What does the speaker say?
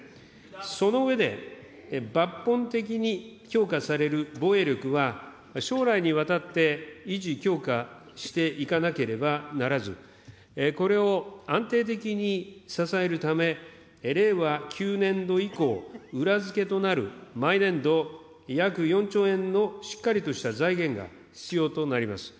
その上で、抜本的に強化される防衛力は、将来にわたって維持、強化していかなければならず、これを安定的に支えるため、令和９年度以降、裏付けとなる毎年度約４兆円のしっかりとした財源が必要となります。